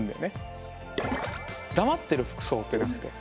黙ってる服装ってなくて。